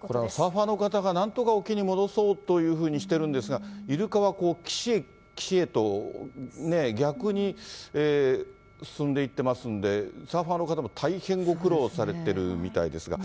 これはサーファーの方が、なんとか沖に戻そうというふうにしてるんですが、イルカは岸へ岸へと、逆に進んでいってますんで、サーファーの方も大変、ご苦労されているみたいですが。